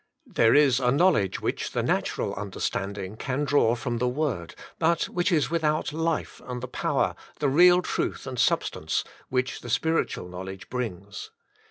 "" There is a knowledge 125 126 The Inner Chamber which the natural understanding can draw from the Word, but which is without life and the power, the real truth and substance, which the spiritual knowledge brings.